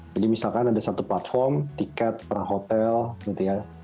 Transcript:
jadi misalkan ada satu platform tiket per hotel gitu ya